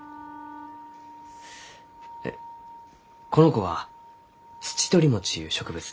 この子はツチトリモチゆう植物で。